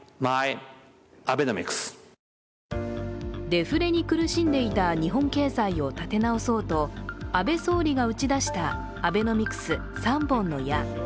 デフレに苦しんでいた日本経済を立て直そうと安倍総理が打ち出したアベノミクス＝３本の矢。